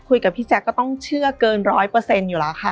พี่แจ๊คก็ต้องเชื่อเกินร้อยเปอร์เซ็นต์อยู่แล้วค่ะ